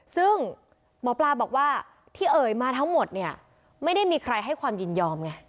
ซึ่งหมอปลาบอกว่าที่เอ่ยมาทั้งหมดเนี่ยไม่ได้มีใครให้ความยินยอมไง